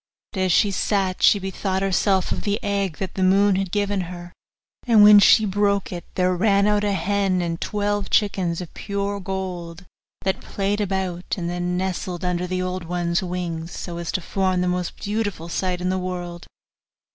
But as she sat she bethought herself of the egg that the moon had given her; and when she broke it, there ran out a hen and twelve chickens of pure gold, that played about, and then nestled under the old one's wings, so as to form the most beautiful sight in the world.